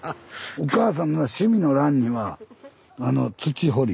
おかあさんの趣味の欄には「土掘り」。